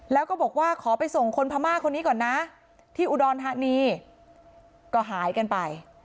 แล้วก็บอกว่าขอไปส่งคนพม่าคนนี้ก่อนนะที่อุดรธานีก็หายกันไป